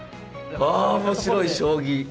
あ面白い将棋。